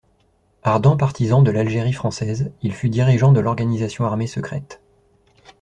Ardent partisan de l'Algérie française, il fut dirigeant de l'Organisation armée secrète.